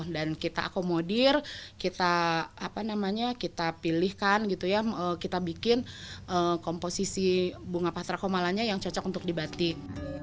dan kita akomodir kita pilihkan gitu ya kita bikin komposisi bunga patra komalanya yang cocok untuk dibatik